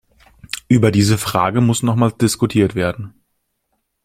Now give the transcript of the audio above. Über diese Frage muss nochmals diskutiert werden.